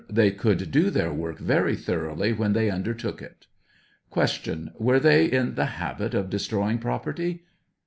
.They could do their work very thoroughly when they undertook it. Q. Were they in the habit of destroying property?